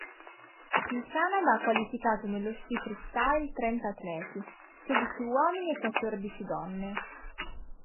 Il Canada ha qualificato nello sci freestyle trenta atleti, sedici uomini e quattordici donne.